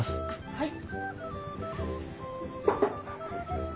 はい。